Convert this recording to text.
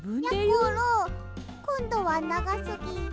やころこんどはながすぎ。